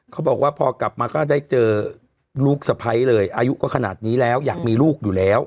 เขาบอกว่าพอกลับมาก็ได้เจอลูกสะพ้ายเลยอายุก็ขนาดนี้แล้วอยากมีลูกอยู่แล้ว